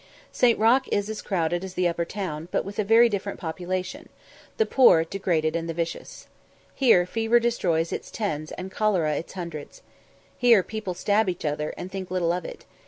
St. Roch is as crowded as the upper town, but with a very different population the poor, the degraded, and the vicious. Here fever destroys its tens, and cholera its hundreds. Here people stab each other, and think little of it.